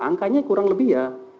angkanya kurang lebih ya